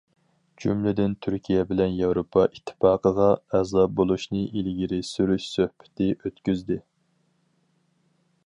جۈملىدىن تۈركىيە بىلەن ياۋروپا ئىتتىپاقىغا ئەزا بولۇشنى ئىلگىرى سۈرۈش سۆھبىتى ئۆتكۈزدى.